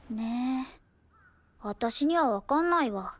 私にはわかんないわ。